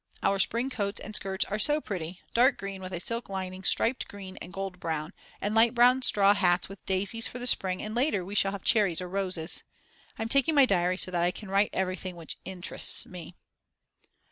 Our spring coats and skirts are so pretty, dark green with a silk lining striped green and gold brown, and light brown straw hats with daisies for the spring and later we shall have cherries or roses. I'm taking my diary so that I can write everything which interests me.